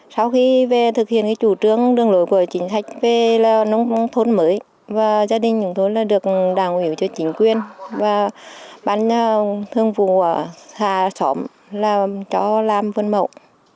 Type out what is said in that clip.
sau khi về thực hiện cái chủ trương đường lối của chính sách về nông thôn mới và gia đình chúng tôi là được đảng ủy cho chính quyền và bán thương vụ xà xóm làm cho làm vân mậu